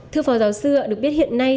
thưa phó giáo sư ạ được biết hiện nay